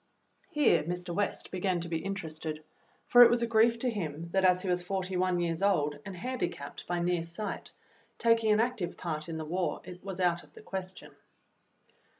Here Mr. West began to be interested, for it was a grief to him that, as he was forty one years old and handicapped by near sight, taking an active part in the war was out of the question.